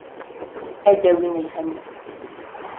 Ad d-awin lhemm.